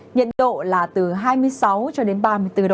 nhiệt độ là từ hai mươi sáu cho đến ba mươi bốn độ